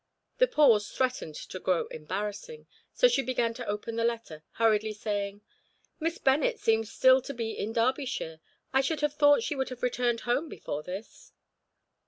The pause threatened to grow embarrassing, so she began to open the letter, hurriedly saying: "Miss Bennet seems still to be in Derbyshire. I should have thought she would have returned home before this."